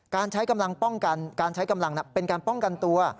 การใช้กำลังป้องกันเป็นการป้องกันตัว